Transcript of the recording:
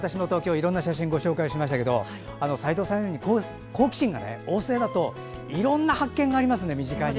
いろいろな写真ご紹介しましたが斉藤さんのように好奇心が旺盛だといろんな発見がありますね。